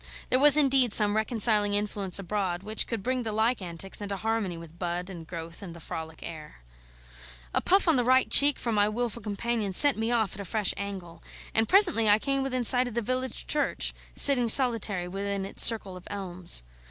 There was indeed some reconciling influence abroad, which could bring the like antics into harmony with bud and growth and the frolic air. A puff on the right cheek from my wilful companion sent me off at a fresh angle, and presently I came in sight of the village church, sitting solitary within its circle of elms.